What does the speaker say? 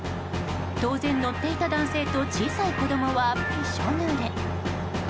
当然、乗っていた男性と小さい子供はびしょ濡れ。